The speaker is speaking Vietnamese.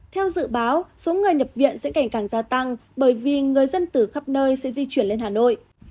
theo dự báo số người nhập viện sẽ ngày càng gia tăng bởi vì người dân từ khắp nơi sẽ di chuyển lên hà nội